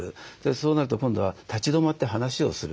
そうなると今度は立ち止まって話をする。